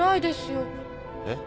えっ？